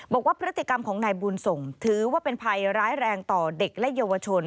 บอกว่าพฤติกรรมของนายบุญส่งถือว่าเป็นภัยร้ายแรงต่อเด็กและเยาวชน